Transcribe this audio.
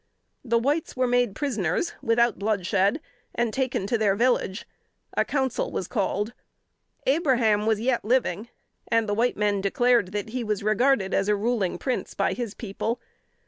The whites were made prisoners without bloodshed, and taken to their village. A council was called. Abraham was yet living, and the white men declared that he was regarded as a ruling prince by his people.